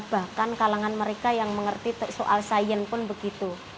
bahkan kalangan mereka yang mengerti soal sains pun begitu